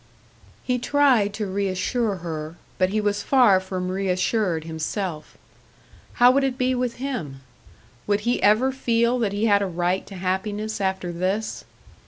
He tried to reassure her, but he was far from reassured himself. How would it be with him? Would he ever feel that he had a right to happiness after this?